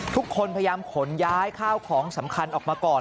ทุกคนพยายามขนย้ายข้าวของสำคัญออกมาก่อน